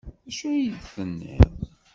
D acu ay d-tenniḍ?